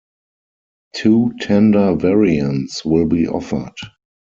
Two tender variants will be offered.